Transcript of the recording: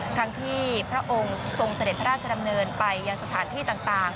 ทั้งที่พระองค์ทรงเสด็จพระราชดำเนินไปยังสถานที่ต่าง